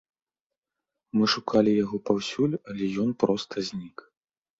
Мы шукалі яго паўсюль, але ён проста знік.